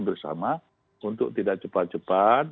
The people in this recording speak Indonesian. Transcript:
bersama untuk tidak cepat cepat